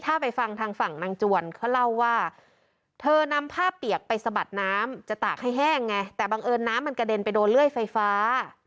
ทำให้พระจำรัจไม่พอใจด่าทอหยาบคายจนเกิดการโตเถียงกัน